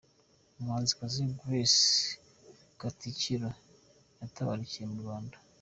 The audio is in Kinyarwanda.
Umuhanzikazi Grace Katikiro yatabarukiye mu Rwanda.